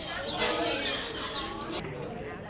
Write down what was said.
เมื่อเวลาเมื่อเวลา